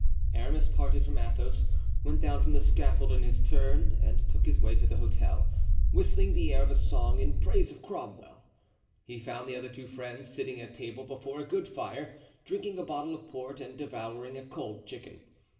Aramis parted from Athos, went down from the scaffold in his turn and took his way to the hotel, whistling the air of a song in praise of Cromwell. He found the other two friends sitting at table before a good fire, drinking a bottle of port and devouring a cold chicken.